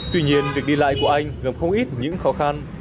tuy nhiên việc đi lại của anh gặp không ít những khó khăn